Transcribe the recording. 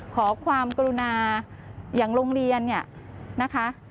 ขอความกรุณาอย่างโรงเรียนเนี่ยนะคะ